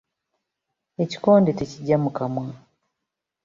Ekikonde tekigya mu kamwa.